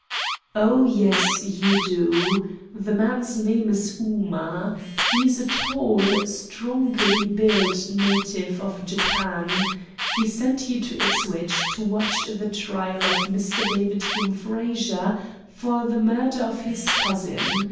"Oh yes, you do. The man's name is Ooma. He is a tall, strongly built native of Japan. He sent you to Ipswich to watch the trial of Mr. David Hume Frazer for the murder of his cousin.